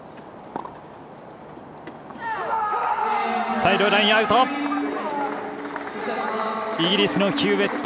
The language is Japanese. サイドライン、アウト。